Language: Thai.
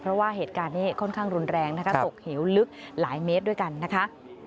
เพราะว่าเหตุการณ์นี้ค่อนข้างรุนแรงนะคะตกเหวลึกหลายเมตรด้วยกันนะคะ